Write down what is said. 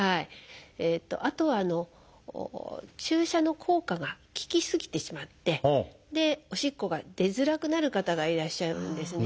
あとは注射の効果が効きすぎてしまっておしっこが出づらくなる方がいらっしゃるんですね